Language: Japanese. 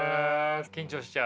緊張しちゃう？